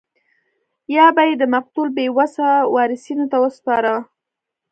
یا به یې د مقتول بې وسه وارثینو ته ورسپاره.